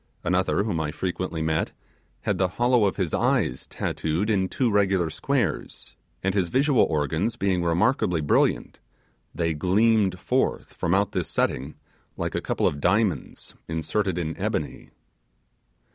Another whom I frequently met had the hollow of his eyes tattooed in two regular squares and his visual organs being remarkably brilliant, they gleamed forth from out this setting like a couple of diamonds inserted in ebony.